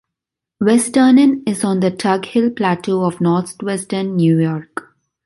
West Turin is on the Tug Hill Plateau of northwestern New York.